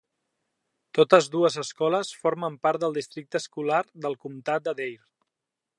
Totes dues escoles formen part del districte escolar del comtat de Dare.